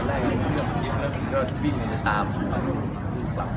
แล้วก็บอกว่า